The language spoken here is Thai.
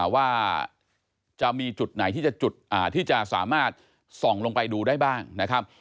ว่าจะมีจุดไหนที่จะจุดที่จะสามารถส่องลงไปดูได้บ้างนะครับ